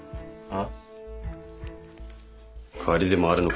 あっ！